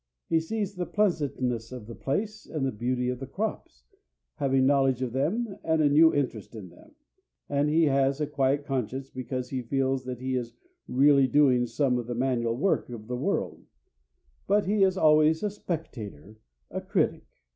He sees the pleasantness of the place and the beauty of the crops, having knowledge of them and a new interest in them; and he has a quiet conscience because he feels that he is really doing some of the manual work of the world; but he is always a spectator, a critic.